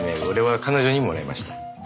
俺は彼女にもらいました。